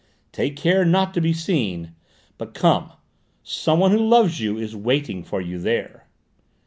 Take care not to be seen, but come. Someone who loves you is waiting for you there.'"